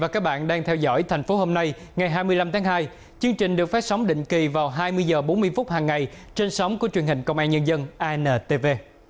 chương trình được phát sóng định kỳ vào hai mươi h bốn mươi phút hằng ngày trên sóng của truyền hình công an nhân dân antv